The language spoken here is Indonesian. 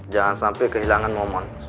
jangan sampai kehilangan momon